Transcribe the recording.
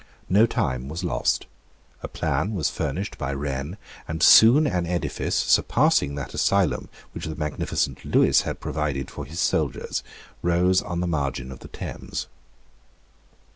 No time was lost. A plan was furnished by Wren; and soon an edifice, surpassing that asylum which the magnificent Lewis had provided for his soldiers, rose on the margin of the Thames.